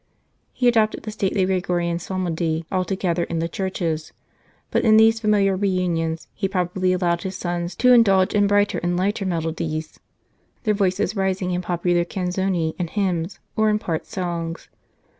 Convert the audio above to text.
He adopted the stately Gregorian psalmody altogether in the churches, but in these familiar reunions he probably allowed his sons to indulge in brighter and lighter melodies, their voices rising in popular canzoni and hymns, or in part songs."